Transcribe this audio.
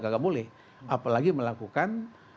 tidak boleh apalagi melakukan